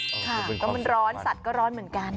มันก็มันร้อนสัตว์ก็ร้อนเหมือนกัน